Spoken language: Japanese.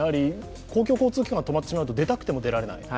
公共交通機関が止まってしまうと出たくても出られない。